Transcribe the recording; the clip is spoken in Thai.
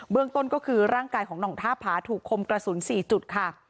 เรื่องต้นก็คือร่างกายของห่องท่าผาถูกคมกระสุน๔จุดค่ะ